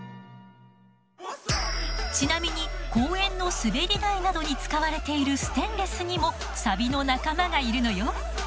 ちなみに公園の滑り台などに使われているステンレスにもサビの仲間がいるのよ。